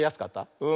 うん。